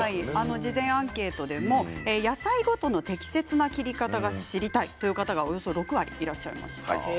事前アンケートでも野菜ごとの適切な切り方が知りたいという方がおよそ６割いらっしゃいました。